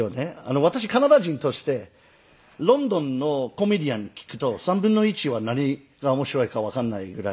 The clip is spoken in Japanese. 私カナダ人としてロンドンのコメディアン聞くと３分の１は何が面白いかわかんないぐらいの。